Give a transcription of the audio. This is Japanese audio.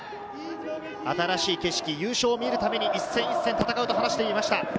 新しい景色、優勝を見るために一戦一戦、戦うと話していました。